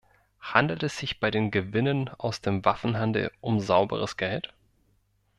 Handelt es sich bei den Gewinnen aus dem Waffenhandel um sauberes Geld?